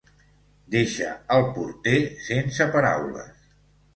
Deixa el porter sense paraules.